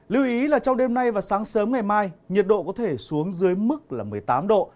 lưu ý là trong đêm nay và sáng sớm ngày mai nhiệt độ có thể xuống dưới mức là một mươi tám độ